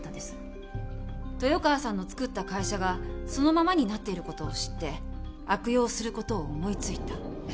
豊川さんの作った会社がそのままになっている事を知って悪用する事を思い付いた。